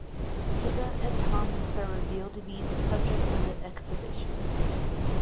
Pippa and Thomas are revealed to be the subjects of the exhibition.